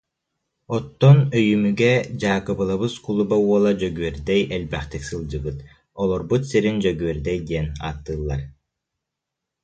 Оттон Өйүмүгэ Дьаакыбылабыс кулуба уола Дьөгүөрдэй элбэхтик сылдьыбыт, олорбут сирин Дьөгүөрдэй диэн ааттыыллар